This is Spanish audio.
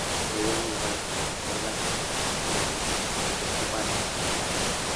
Quedó en el banco de reservas en el título de la Supercopa Argentina.